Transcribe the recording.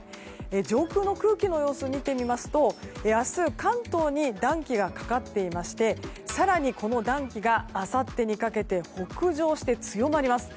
上空の空気の様子を見ますと明日、関東に暖気がかかっていまして更にこの暖気があさってにかけて北上して強まります。